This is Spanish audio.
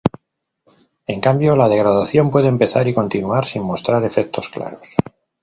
En cambio la degradación puede empezar y continuar sin mostrar efectos claros.